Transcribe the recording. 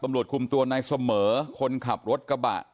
ตำรวจคุมตัวนายเสมอคนขับรถกระบะ